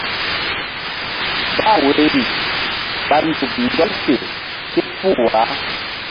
Bah woyri ɓa nzuk ɗɔl fe képuh wah.